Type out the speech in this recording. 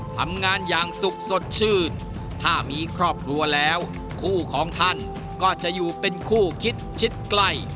ทำงานอย่างสุขสดชื่นถ้ามีครอบครัวแล้วคู่ของท่านก็จะอยู่เป็นคู่คิดชิดใกล้